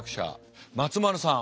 松丸さん。